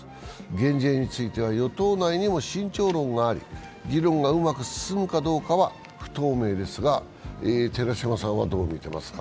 減税については与党内にも慎重論があり議論がうまく進むかどうかは不透明ですが寺島さんはどう見てますか？